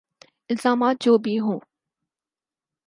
الزامات جو بھی ہوں۔